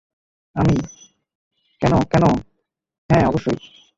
আমি —- কেন-কেন, হ্যাঁ, অবশ্যই।